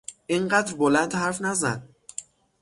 اینقدر بلند حرف نزن!